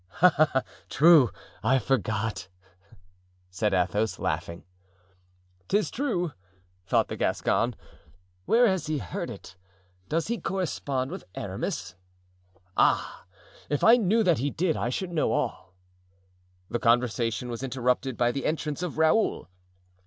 "Ah, true! I forgot," said Athos, laughing. "'Tis true!" thought the Gascon, "where has he heard it? Does he correspond with Aramis? Ah! if I knew that he did I should know all." The conversation was interrupted by the entrance of Raoul.